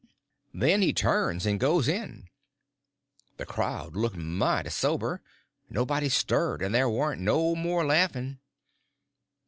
Then he turns and goes in. The crowd looked mighty sober; nobody stirred, and there warn't no more laughing.